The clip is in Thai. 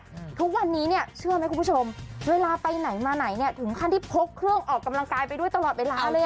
อืมทุกวันนี้เนี้ยเชื่อไหมคุณผู้ชมเวลาไปไหนมาไหนเนี้ยถึงขั้นที่พกเครื่องออกกำลังกายไปด้วยตลอดเวลาเลยอ่ะ